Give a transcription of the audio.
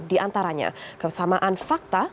diantaranya kesamaan fakta